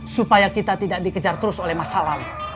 supaya kita tidak dikejar terus oleh masalah